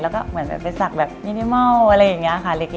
แล้วก็เหมือนแบบไปสักแบบมินิมอลอะไรอย่างนี้ค่ะเล็ก